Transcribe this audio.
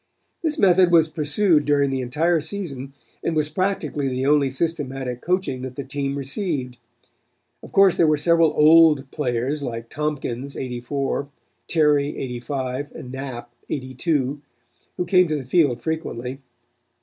"This method was pursued during the entire season and was practically the only systematic coaching that the team received. Of course there were several old players like Tompkins '84, Terry '85 and Knapp '82, who came to the field frequently.